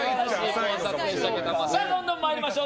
どんどん参りましょう。